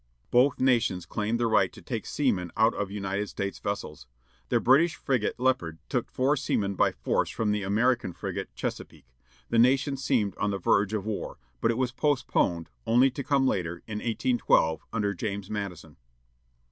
Both nations claimed the right to take seamen out of United States vessels. The British frigate Leopard took four seamen by force from the American frigate Chesapeake. The nation seemed on the verge of war, but it was postponed, only to come later, in 1812, under James Madison.